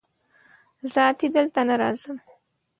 زه اتي دلته نه راځم